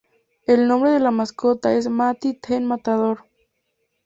El nombre de la mascota es "Matty the Matador".